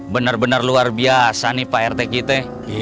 bener bener luar biasa nih pak rt kita